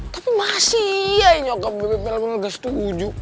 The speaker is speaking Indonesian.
tapi masih iya ini nyokap bebel bebel gak setuju